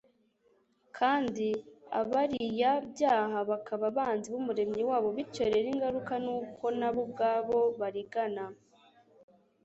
kandi abariyabyaha bakaba abanzi b'Umuremyi wabo, bityo rero ingaruka ni uko nabo ubwabo barigana.